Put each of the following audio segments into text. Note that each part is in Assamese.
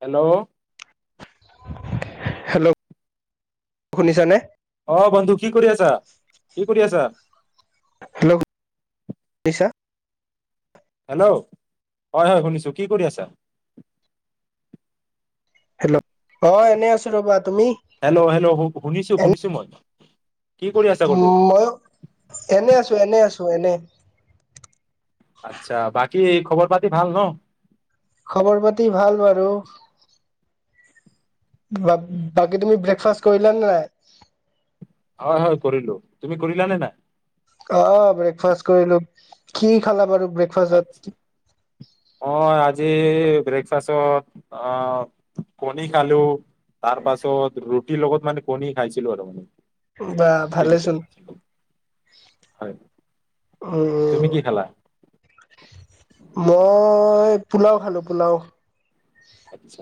হেল্ল'? হেল্ল' শুনিছা নে? অ' বন্ধু কি কৰি আছা কি কৰি আছা? হেল্ল' শুনিছা? হেল্ল' হয় হয় শুনিছো, কি কৰি আছা? হেল্ল' অ' এনেই আছো ৰবা, তুমি? হেল্' হেল্ল শুনিছো শুনিছো মই। কি কৰি আছা উ কলো মই এনে আছো এনে আছো, চ এনে আচ্ছা বাকী খবৰ পাতি ভাল ন? খবৰ পাতি ভাল বাৰু। বাকী তুমি ব্ৰেকফাষ্ট কৰিলা নে নাই? হয় হয় কৰিলো, তুমি কৰিলানে নাই! অ' ব্ৰেকফাষ্ট কৰিলো, কি খালা বাৰু? ব্ৰেকফাষ্টত আচ্ছা অ' জি ব্ৰেকফাষ্টত অ' কণী খালো, তাৰ পাছত ৰুটিৰ লগত মানে কণী খাইছিলো আৰু মানে। বা সেইটোৱে ভালে চোন, আছিলে। হয় তুমি কি খালা? মই পোলাও খালো পোলাও। আচ্ছা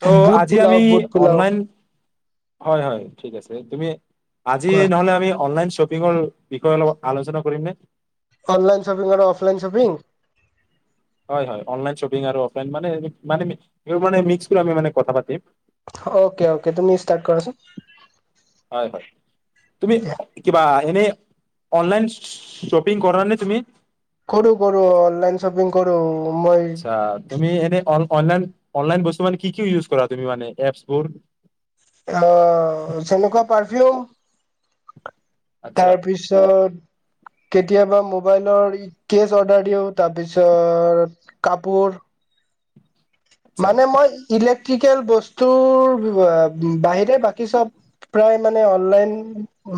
ত' বুট আজি পোলাও আমি বুট পোলাও, অনলাইন হয় হয় ঠিক আছে, তুমি আজি কোৱা নহ'লে আমি অনলাইন শ্বপিংমলৰ বিষয়ে অলপ আলোচনা কৰিম নে? অনলাইন শ্বপিং আৰু অফলাইন শ্বপিং। হয়-হয়। অনলাইন শ্বপিং আৰু অফলাইন মানে-মানে মিক্স কৰি আমি মানে কথা পাতিম। অ'কে-অ'কে তুমি ষ্টাৰ্ট কৰাচোন। হয়-হয়। তুমি দিয়া। কিবা। এনেই অনলাইন শ্বপিং কৰা নে তুমি? কৰোঁ-কৰোঁ অনলাইন শ্বপিং কৰোঁ। আচ্ছা, তুমি এনে অন অনলাইন-অনলাইন বস্তু মানে কি কি ইউজ কৰা তুমি মানে এপছবোৰ? মই যেনেকুৱা পাৰ দিওঁ। আচ্ছা তাৰ পিছত কেতিয়াবা মোক। মবাইলৰ ই‌ কেচ অৰ্ডাৰ দিওঁ। তাৰপিছত কাপোৰ আচ্ছা মানে মই ইলেক ট্ৰিকেল বস্তুৰ বা বাহিৰে বাকী চব প্ৰায় মানে অনলাইন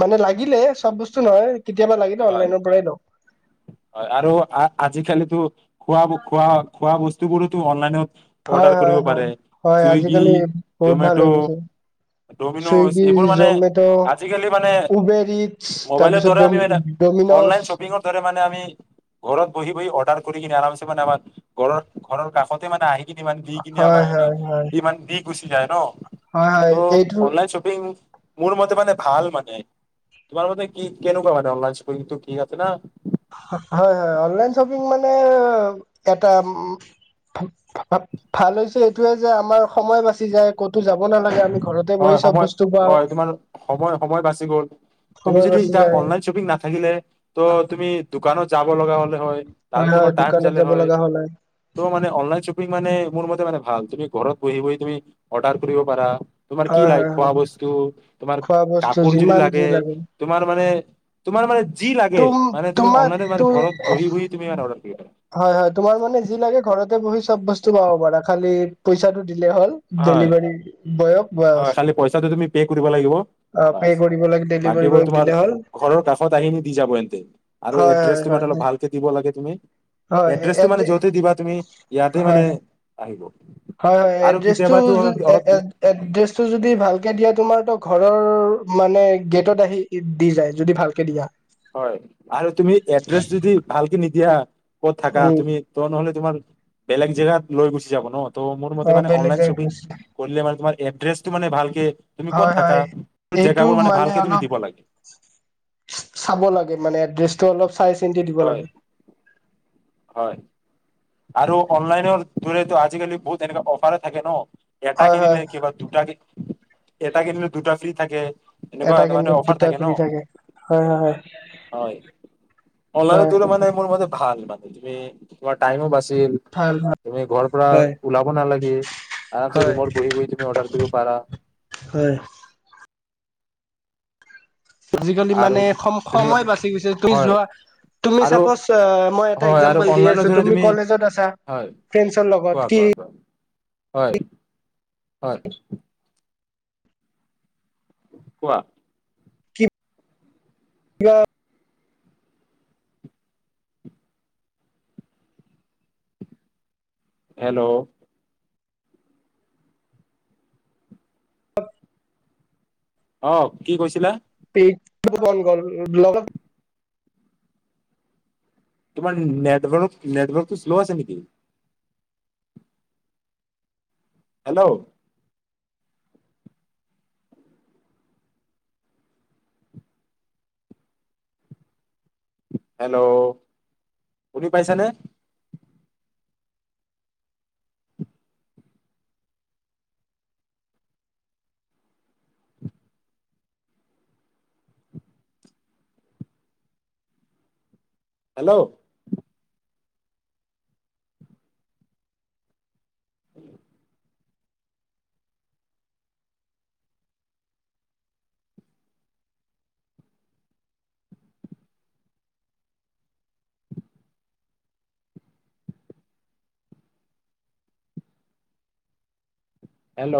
মানে লাগিলে চব বস্তু নহয়। কেতিয়াবা লাগিলে অনলাইনৰ পৰাই লওঁ হয়-হয় আৰু আ আজিকালিতো খোৱা ব, খোৱা-খোৱা বস্তু বোৰোতো অনলাইনত অৰ্ডাৰ কৰিব পাৰে হয়-হয়-হয়-হয়, চুইগি আজিকালি বহুত ভাল হৈ গৈছে। জমেট' ডমিন'জ ছুইগী, এইবোৰ মানে জ'মেট', আজিকালি মানে উবেৰ ইটছ মোবাইলৰ তাৰপিছত দ্বাৰা আমি মানে ড'ম অনলাইন ডমিন'জ শ্বপিঙৰ দৰে মানে আমি ঘৰত বহি বহি অৰ্ডাৰ কৰি কিনে আৰামছে মানে আমা ঘৰত-ঘৰৰ কাষতে মানে আহি ইমান দি কিনে হয় আমাৰ মানে হয় হয় ইমান দি গুচি যায় ন? হয় হয় ত' এইটো অনলাইন শ্বপিং মোৰ মতে মানে ভাল মানে। তোমাৰ মতে কি, কেনেকুৱা মানে অনলাইন ত কিন্তু ঠিক আছে না। হয়-হয়। অনলাইন শ্বপিং মানে এটা উ ভা-ভাল হৈছে এইটোৱে যে, আমাৰ সময় বাচি যায় ক'তো যাব নালাগে আমি ঘৰতে বহি হয়, চব সময়ত বস্তু পাওঁ হয় তোমাৰ সময়-সময় বাছি গ'ল। তুমি সময় যদি বাচি এতিয়া যায় অনলাইন শ্বপিং নাথাকিলে ত তুমি দোকানত যাব লগা হ'ল। হয় আৰু হয় তোমাৰ টাইম দোকানত গ'লে যাব হৈ লগা হ'লে ত' মানে অনলাইন শ্বপিং মানে মোৰ মতে মানে ভাল, তুমি ঘৰত বহি বহি তুমি অৰ্ডাৰ কৰিব পাৰা। তোমাৰ কি হয় [unintelligible] হয় হয় খোৱা বস্তু তোমাৰ কি লাগে খোৱাবস্তু তোমাৰ খোৱা বস্তু কাপোৰ যদি যিমান যি লাগে, তোমাৰ মানে তোমাৰ মানে যি লাগে তুম মানে তুমি তোমাৰ অনলাইনে তো মানে ঘৰত বহি বহি তুমি এটা অৰ্ডাৰ কৰিব পাৰা। হয় হয় তোমাৰ মানে যি লাগে ঘৰতে বহি চব বস্তু পাব পাৰা খালি পইচাটো দিলে হ'ল হয় ডেলিভাৰী বয়ক বাছ হয়। খালী পইচাটো তুমি পে কৰিব লাগিব বাছ। পে' কৰিব লাগে ডেলিভাৰী বাকীবোৰ বয়ক তোমাৰ দিলে হ'ল ঘৰৰ কাষত আহি দি যাব এনতে। আৰু হয় হয় এড্ৰেছটো হয় মানে অলপ হয় ভালকে দিবল বাকী তুমি হয় এড্ৰেছটো মানে এ যতে দিবা তুমি ইয়াতে, হয় মানে হয় আহিব। হয় হয়, আৰু এড্ৰেছটো কেতিয়াবাতো অলপ অলপ এ-এ-এড্ৰেছ চো যদি ভালকে দিয়া তোমাৰ তো ঘৰৰ মানে গেটত আহি দি যায় যদি ভালকে দিয়া। হয়, আৰু তুমি এড্ৰেছ যদি ভালকে নিদিয়া ক'ত থাকা উম তুমি? ত, নহ'লে? তোমাৰ বেলেগ জেগাত লৈ গুচি যাব ন ত', মোৰ মতে অ মানে বেলেগ অনলাইন জেগাত শ্বপিং গৈছিলে। কৰিলে মানে তোমাৰ এড্ৰেছটো মানে ভালকে। তুমি ক'ত হয় থাকা হয়, এইটো জেগাবোৰ মানে ভালকে তুমি অলপ দিব লাগে চ-চাব লাগে। এই মানে এড্ৰেছ চ, অলপ চাই চিন্তি দিব হয় লাগে। হয়। আৰু অনলাইনৰ দুৰেটো আজিকালি বহুত এনেকুৱা অফাৰে থাকে ন। এটা হয় কিনিলে হয় কিবা দুটাকে এটা কিনেলেও দুটা ফ্ৰী থাকে। এনেকুৱা এটা মানে কিনিলে অফাৰ দুটা থাকে ফ্ৰী ন, হয় হয় হয়। হয় অনলাইনতোৰ মানে মোৰ মতে ভাল মানে। তুমি স্মাৰ্ট। টাইমো বাছে টিম, ভাল ভাল তুমি ঘৰৰ পৰা হয় ওলাব নালাগে, আৰামছেই হয় ৰুমৰ বহি বহি তুমি অৰ্ডাৰ কৰিব পাৰা হয় আজিকালি আৰু মানে তুমি সম-সময় বাচি গৈছে। তুমি হয় যোৱা তুমি আৰু চাপচ আ, মই এটা হয় আৰু একজাম্বল দি অনলাইনৰ আছো। যোনে তুমি কলেজত আছা, হয় ফ্ৰেঞ্চৰ লগত কোৱা কি কোৱা কোৱা হয়। হয়। কোৱা। [unintelligible] হেল্ল' অ', কি কৈছিলা। [unintelligible] তোমাৰ নেটৱৰ্ক, নেটৱৰ্কটো শ্ল' আছে নেকি? হেল্ল' হেল্ল' শুনি পাইছানে? হেল্ল'। হেল্ল'।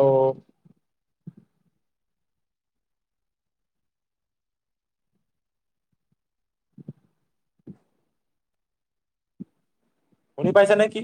শুনি পাইছা নে কি?